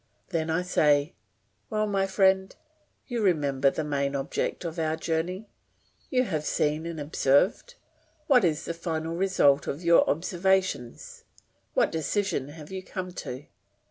Then I say, "Well, my friend, you remember the main object of our journey; you have seen and observed; what is the final result of your observations? What decision have you come to?"